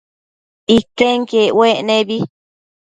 Iquenquiec uec nebi